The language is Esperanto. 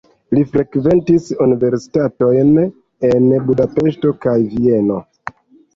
Li frekventis universitatojn en Budapeŝto kaj Vieno.